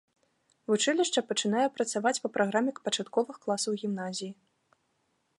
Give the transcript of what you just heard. Вучылішча пачынае працаваць па праграме пачатковых класаў гімназіі.